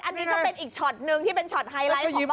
อันนี้ก็เป็นอีกช็อตนึงที่เป็นช็อตไฮไลท์ของบ้าน